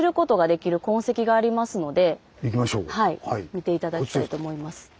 はい見て頂きたいと思います。